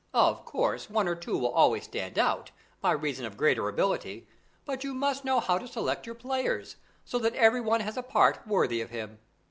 Of course, one or two will always stand out, by reason of greater ability; but you must know how to select your players, so that everyone has a part worthy of him."